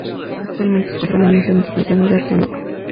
Actualmente se conserva en el Museo Metropolitano de Arte, Nueva York.